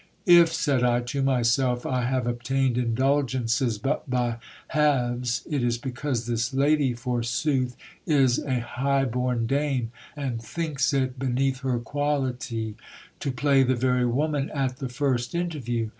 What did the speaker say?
If, said I to myself, I have obtained indulgences but by halves, it is because this lady, forsooth, is a high born dame, and thinks it beneath her quality to play the very woman at the first interview.